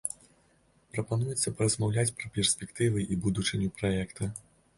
Прапануецца паразмаўляць пра перспектывы і будучыню праекта.